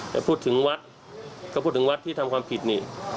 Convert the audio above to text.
แต่พูดถึงวัดก็พูดถึงวัดที่ทำความผิดนี่